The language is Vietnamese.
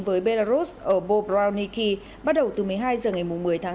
với belarus ở bobrowniki bắt đầu từ một mươi hai h ngày một mươi tháng hai